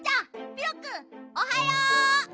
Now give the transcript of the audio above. ピロくんおはよう！